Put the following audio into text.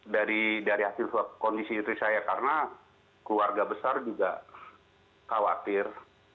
dari hasil kondisi istri saya karena keluarga besar juga khawatir